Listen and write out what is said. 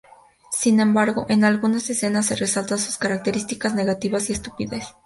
Sin embargo, en algunas escenas se resaltan sus características negativas y estupidez.